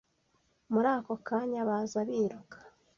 muri ako kanya baza biruka